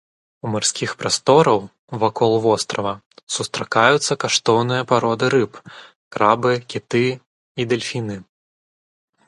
У марскіх прастораў вакол вострава сустракаюцца каштоўныя пароды рыб, крабы, кіты і дэльфіны.